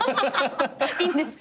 いいんですか？